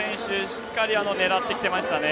しっかり狙ってきてましたね。